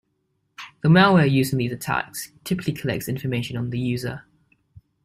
The malware used in these attacks typically collects information on the user.